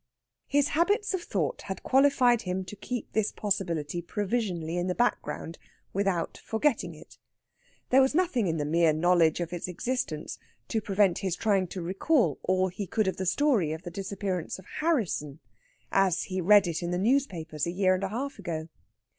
His habits of thought had qualified him to keep this possibility provisionally in the background without forgetting it. There was nothing in the mere knowledge of its existence to prevent his trying to recall all he could of the story of the disappearance of Harrisson, as he read it in the newspapers a year and a half ago.